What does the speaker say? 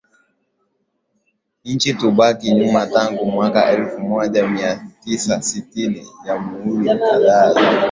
nchi kubaki nyumaTangu mwaka elfu moja mia tisa tisini jamhuri kadhaa za Umoja